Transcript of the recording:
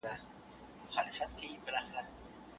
زه خپل بدن پاک ساتم.